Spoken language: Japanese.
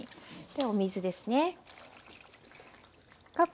でお水ですね。